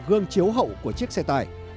gương chiếu hậu của chiếc xe tải